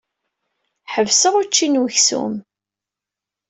Ḥebseɣ ucci n weksum.